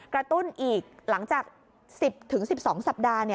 กระตุ้นอีกหลังจาก๑๐๑๒สัปดาห์